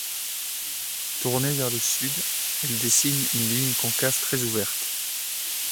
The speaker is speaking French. Tournée vers le Sud, elle dessine une ligne concave très ouverte.